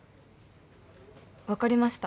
分かりました